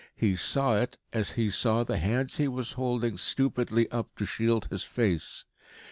He saw it, as he saw the hands he was holding stupidly up to shield his face.